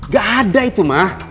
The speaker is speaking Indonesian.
gak ada itu ma